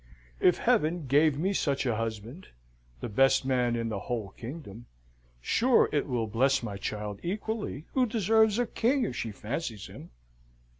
If Heaven gave me such a husband the best man in the whole kingdom sure it will bless my child equally, who deserves a king if she fancies him!"